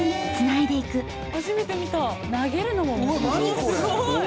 すごい！